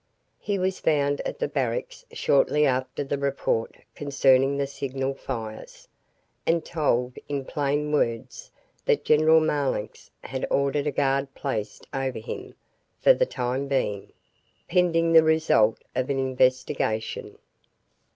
He was found at the barracks shortly after the report concerning the signal fires, and told in plain words that General Marlanx had ordered a guard placed over him for the time being, pending the result of an investigation.